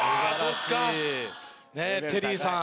テリーさん。